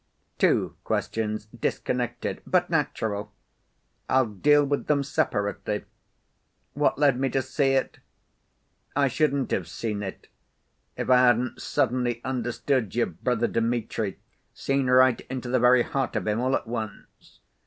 "Two questions, disconnected, but natural. I'll deal with them separately. What led me to see it? I shouldn't have seen it, if I hadn't suddenly understood your brother Dmitri, seen right into the very heart of him all at once.